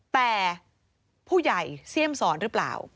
แต่ผู้ใหญ่เสี่ยมสอนหรือเปล่า